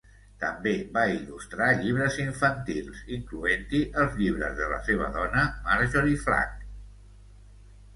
També va il·lustrar llibres infantils, incloent-hi els llibres de la seva dona, Marjorie Flack.